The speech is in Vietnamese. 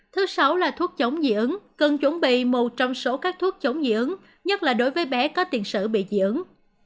thứ sáu thuốc chống dưỡng cần chuẩn bị một trong số các thuốc chống dưỡng nhất là đối với bé có tiền sử bị dưỡng